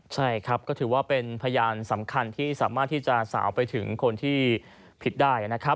ใช่ครับก็ถือว่าเป็นพยานสำคัญที่สามารถที่จะสาวไปถึงคนที่ผิดได้นะครับ